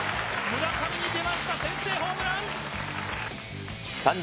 村上に出ました、先制ホームラン！